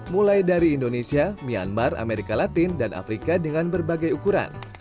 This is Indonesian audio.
mulai dari indonesia myanmar amerika latin dan afrika dengan berbagai ukuran